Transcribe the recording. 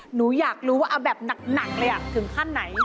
หนูอยากรู้ว่าเอาแบบหนักเลยถึงขั้นไหน